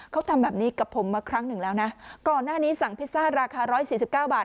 เขาทำแบบนี้กับผมมาครั้งหนึ่งแล้วนะก่อนหน้านี้สั่งพิซซ่าราคาร้อยสี่สิบเก้าบาท